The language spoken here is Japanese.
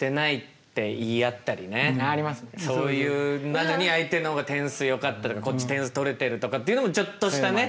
なのに相手の方が点数よかったとかこっち点数取れてるとかっていうのもちょっとしたね